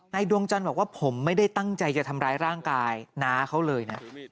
ดวงจันทร์บอกว่าผมไม่ได้ตั้งใจจะทำร้ายร่างกายน้าเขาเลยนะ